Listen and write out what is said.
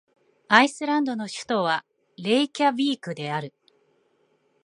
アイスランドの首都はレイキャヴィークである